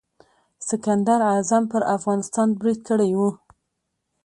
سکندر اعظم پر افغانستان برید کړی و.